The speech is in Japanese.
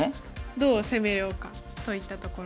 どう攻めようかといったところです。